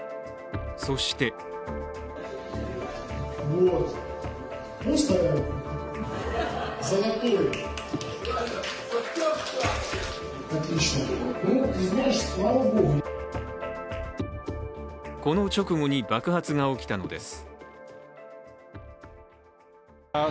そしてこの直後に爆発が起きたのです。